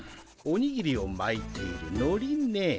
おにぎりをまいているのりね。